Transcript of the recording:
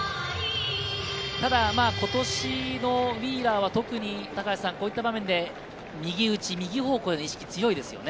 今年のウィーラーは特にこういった場面で右打ち右方向の意識が強いですよね。